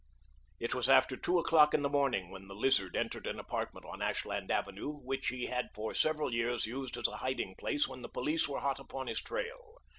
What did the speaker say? It was after two o'clock in the morning when the Lizard entered an apartment on Ashland Avenue which he had for several years used as a hiding place when the police were hot upon his trail.